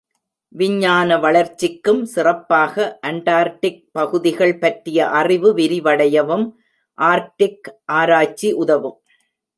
விஞ்ஞான வளர்ச்சிக்கும், சிறப்பாக, அண்டார்க்டிக் பகுதிகள் பற்றிய அறிவு விரிவடையவும் ஆர்க்டிக் ஆராய்ச்சி உதவும்.